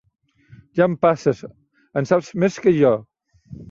Ja em passes: en saps més que jo.